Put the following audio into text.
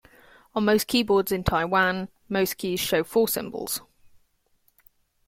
On most keyboards in Taiwan, most keys show four symbols.